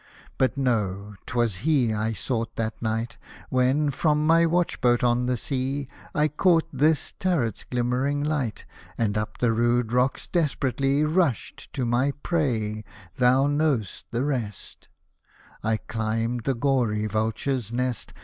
But know — :'twas he I sought that night, When, from my watch boat on the sea, I caught this turret's glimmering light. And up the rude rocks desperately Rushed to my prey — thou know'st the rest — I cUmbed the gory vulture's nest.